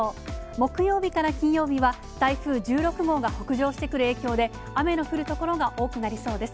木曜日から金曜日は、台風１６号が北上してくる影響で、雨の降る所が多くなりそうです。